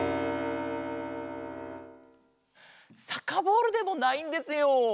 サッカーボールでもないんですよ。